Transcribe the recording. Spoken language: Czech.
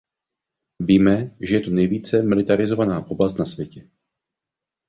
Víme, že je to nejvíce militarizovaná oblast na světě.